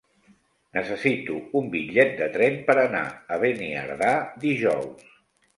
Necessito un bitllet de tren per anar a Beniardà dijous.